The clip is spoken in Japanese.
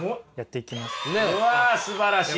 うわすばらしい。